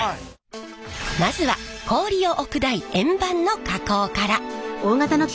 まずは氷を置く台円盤の加工から。